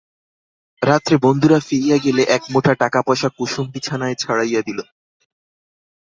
রাত্রে বন্ধুরা ফিরিয়া গেলে একমুঠা টাকাপয়সা কুমুদ বিছানায় ছড়াইয়া দিল।